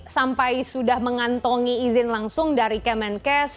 sampai sudah mengantongi izin langsung dari kemenkes